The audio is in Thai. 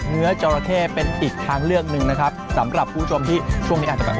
จราเข้เป็นอีกทางเลือกหนึ่งนะครับสำหรับผู้ชมที่ช่วงนี้อาจจะแบบ